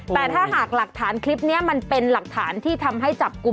แต่ถ้าหากหลักฐานคลิปนี้มันเป็นหลักฐานที่ทำให้จับกลุ่ม